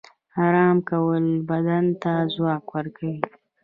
آرام کول بدن ته ځواک ورکوي